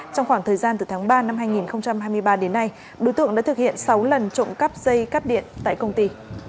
trong khoảng thời gian từ tháng ba năm hai nghìn hai mươi ba đến nay đối tượng đã thực hiện sáu lần trộm cắp dây cắp điện tại công ty